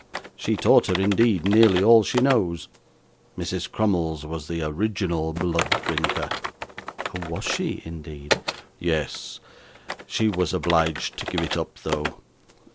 She taught her, indeed, nearly all she knows. Mrs. Crummles was the original Blood Drinker.' 'Was she, indeed?' 'Yes. She was obliged to give it up though.